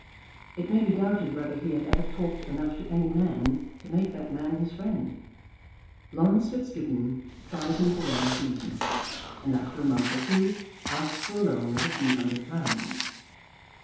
It may be doubted whether he had ever talked enough to any man to make that man his friend. Laurence Fitzgibbon tried him for one season, and after a month or two asked for a loan of a few hundred pounds.